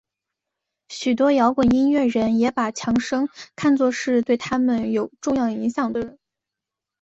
许多摇滚音乐人也把强生看作是对他们有重要影响的人。